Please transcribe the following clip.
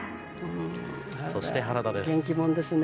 そして、原田です。